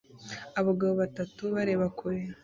Abagabo batatu bareba kure